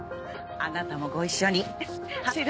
あなたもご一緒に走る？